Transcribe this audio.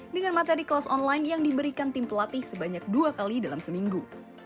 dengan materi kelas online yang diberikan tim pelatih sebanyak dua kali dalam seminggu